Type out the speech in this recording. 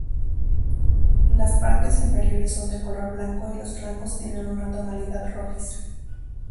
Las partes inferiores son de color blanco y los flancos tienen una tonalidad rojiza.